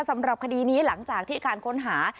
สำหรับคดีนี้หลังจากที่การค้นหา